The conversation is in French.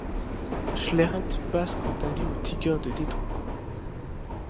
Schlereth passe quant à lui aux Tigers de Detroit.